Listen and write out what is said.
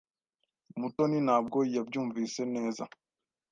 Mutoni ntabwo yabyumvise neza.